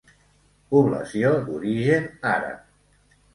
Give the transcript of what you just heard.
Població d'origen àrab.